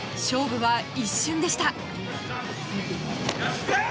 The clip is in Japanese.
勝負は一瞬でした。